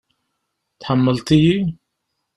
Tḥemmleḍ-iyi?